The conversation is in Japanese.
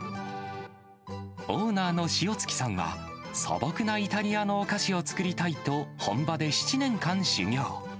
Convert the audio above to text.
オーナーの塩月さんは、素朴なイタリアのお菓子を作りたいと、本場で７年間修業。